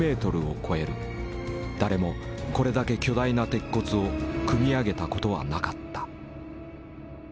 誰もこれだけ巨大な鉄骨を組み上げたことはなかった。